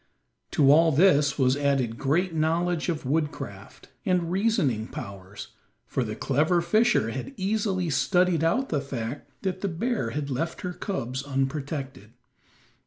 To all this was added great knowledge of woodcraft, and reasoning powers, for the clever fisher had easily studied out the fact that the bear had left her cubs unprotected.